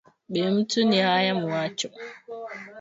Bu muntu ni haya mumacho